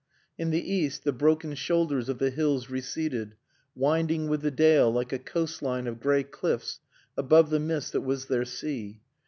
In the east the broken shoulders of the hills receded, winding with the dale like a coast line of gray cliffs above the mist that was their sea.